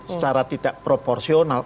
secara tidak proporsional